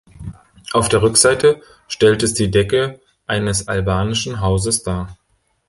Auf der Rückseite stellt es die Decke eines Albanischen Hauses dar.